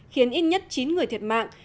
khiến ít nhất chín người thiệt mạng